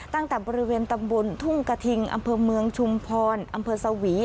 ตั้งแต่บริเวณตำบลทุ่งกระทิงอำเภอเมืองชุมพรอำเภอสวี